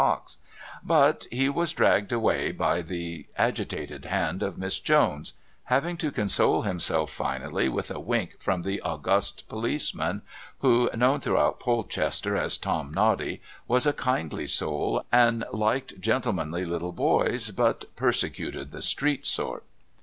box; but he was dragged away by the agitated hand of Miss Jones, having to console himself finally with a wink from the august policeman, who, known throughout Polchester as Tom Noddy, was a kindly soul and liked gentlemanly little boys, but persecuted the street sort.